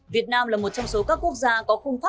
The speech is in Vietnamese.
việt nam là một trong số các quốc gia có khung pháp